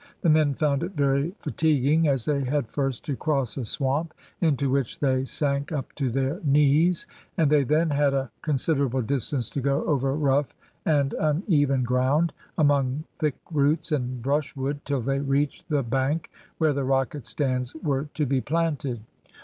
The men found it very fatiguing, as they had first to cross a swamp, into which they sank up to their knees, and they then had a considerable distance to go over rough and uneven ground, among thick roots and brushwood, till they reached the bank where the rocket stands were to be planted.